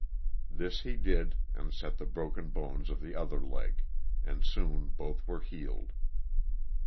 This he did and sefc the broken bones of the other leg, and soon both were healed.